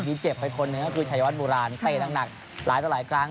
มีเจ็บไปคนหนึ่งก็คือชายวัดโบราณเตะหนักหลายต่อหลายครั้ง